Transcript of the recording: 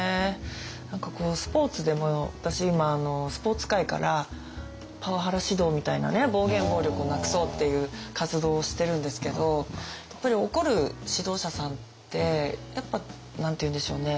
何かこうスポーツでも私今スポーツ界からパワハラ指導みたいなね暴言・暴力をなくそうっていう活動をしてるんですけどやっぱり怒る指導者さんってやっぱ何て言うんでしょうね